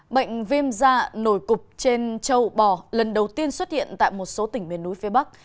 bệnh viêm da nổi cục trên châu bò lần đầu tiên xuất hiện tại một số tỉnh miền núi phía bắc